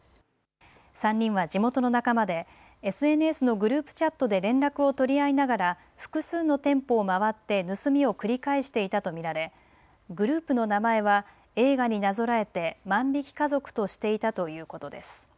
３人は地元の仲間でＳＮＳのグループチャットで連絡を取り合いながら複数の店舗を回って盗みを繰り返していたと見られグループの名前は映画になぞらえて万引き家族としていたということです。